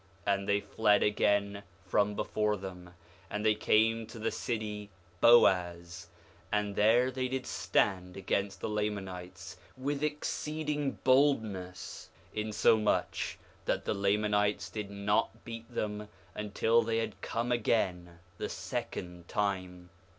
4:20 And they fled again from before them, and they came to the city Boaz; and there they did stand against the Lamanites with exceeding boldness, insomuch that the Lamanites did not beat them until they had come again the second time.